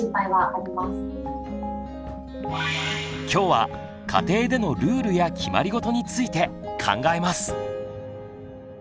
今日は家庭でのルールや決まりごとについて考えます。